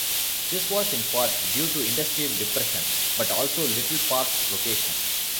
This was in part due to industrial depression but also Little Park's location.